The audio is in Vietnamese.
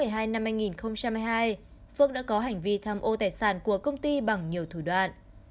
đến tháng một mươi hai năm hai nghìn một mươi hai phước đã có hành vi thăm ô tài sản của công ty bằng nhiều thủ đoạn